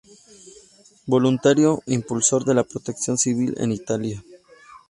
Voluntario e impulsor de Protección Civil en Italia.